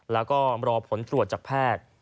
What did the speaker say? แล้วก็รอผลตรวจจากแพทย์